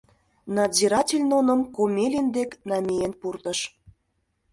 Надзиратель нуным Комелин дек намиен пуртыш.